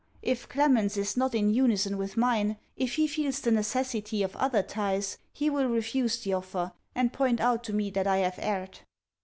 If Clement's is not in unison with mine, if he feels the necessity of other ties, he will refuse the offer, and point out to me that I have erred.